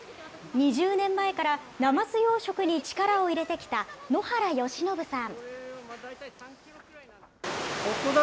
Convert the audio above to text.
２０年前からナマズ養殖に力を入れてきた野原吉伸さん。